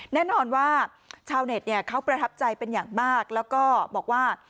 แน่นอนว่าชาวเน็ตเนี่ยเขาประทับใจเป็นอย่างมากแล้วก็บอกว่า